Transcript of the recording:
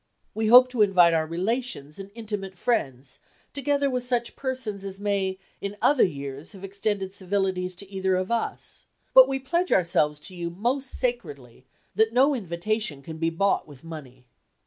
We hope to invite our relations and intimate friends, together with such persons as may in other years have extended civilities to either of us; but we pledge ourselves to you most sacredly that no invitation can be bought with money.